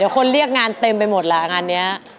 เดี๋ยวคนเรียกงานเต็มไปหมดละงานนี้